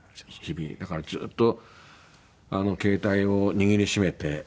だからずっと携帯を握り締めて。